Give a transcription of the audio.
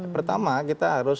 pertama kita harus